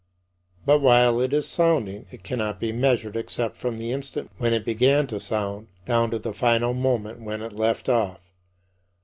But while it is sounding, it cannot be measured except from the instant when it began to sound, down to the final moment when it left off.